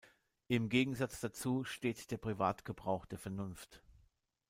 Im Gegensatz dazu steht der „Privatgebrauch“ der Vernunft.